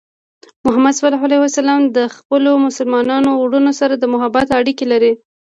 محمد صلى الله عليه وسلم د خپلو مسلمانو وروڼو سره د محبت اړیکې لرلې.